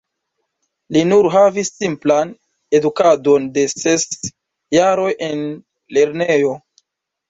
Li nur havis simplan edukadon de ses jaroj en lernejo.